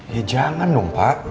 ya jangan dong pak